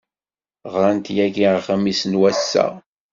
Ɣrant yagi aɣmis n wass-a.